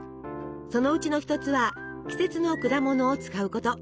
そのうちの一つは季節の果物を使うこと。